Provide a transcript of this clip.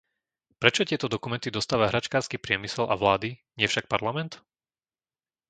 Prečo tieto dokumenty dostáva hračkársky priemysel a vlády, nie však Parlament?